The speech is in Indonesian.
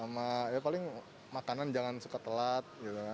makanan jangan suka telat